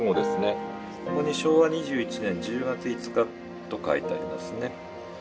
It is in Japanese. ここに昭和２１年１０月５日と書いてありますね。